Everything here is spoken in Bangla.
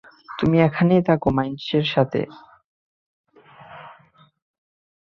তুমি এখানেই থাকো মাইনাসের সাথে।